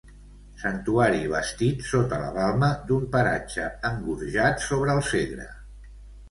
Santuari bastit sota la balma d'un paratge engorjat sobre el Segre.